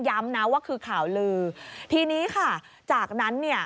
ต้องฟังตัวจะตามหลักทั้งวัน